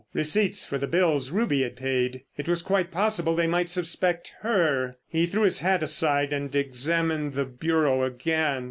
Receipts for the bills Ruby had paid. It was quite possible they might suspect her. He threw his hat aside and examined the bureau again.